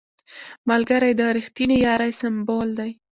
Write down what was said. ملګری د رښتینې یارۍ سمبول دی